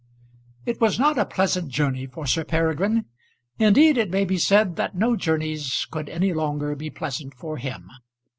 It was not a pleasant journey for Sir Peregrine. Indeed it may be said that no journeys could any longer be pleasant for him.